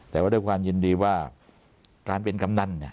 แต่ว่าด้วยความยินดีว่าการเป็นกำนัน